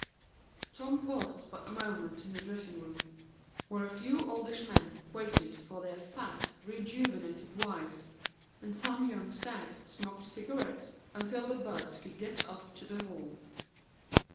Tom paused but a moment in the dressing room, where a few oldish men waited for their fat, rejuvenated wives, and some young stags smoked cigarettes until the buds could get up to the hall.